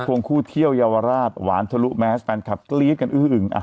วงคู่เที่ยวเยาวราชหวานทะลุแมสแฟนคลับกรี๊ดกันอื้ออึง